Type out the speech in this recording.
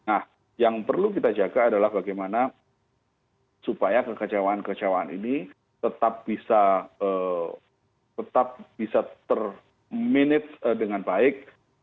nah yang perlu kita jaga adalah bagaimana supaya kekecewaan kekecewaan ini tetap bisa tetap bisa terminit dengan baik